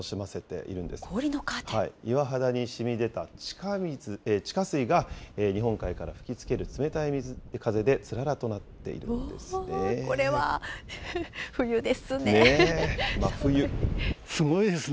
岩肌にしみ出た地下水が日本海から吹きつける冷たい風でつらこれは冬ですね。